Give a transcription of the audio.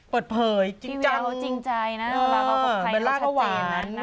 ปรดเผยจริงจังน้ารักกับใครเข้าตะวัน